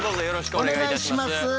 よろしくお願いします。